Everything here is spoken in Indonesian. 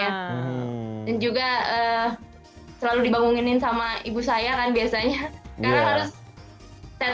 dan juga selalu dibangunin sama ibu saya kan biasanya